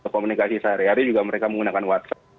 komunikasi sehari hari juga mereka menggunakan whatsapp